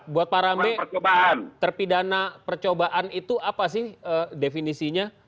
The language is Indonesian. buat pak rambe terpidana percobaan itu apa sih definisinya